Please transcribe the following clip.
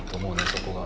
そこが。